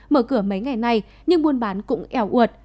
mở cửa mấy ngày nay nhưng buôn bán cũng eo uột